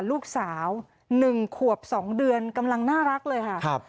ลูกสาว๑ขวบ๒เดือนกำลังน่ารักเลยค่ะ